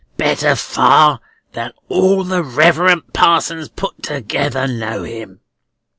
Better far than all the Reverend Parsons put together know him."